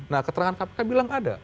nah keterangan kpk bilang ada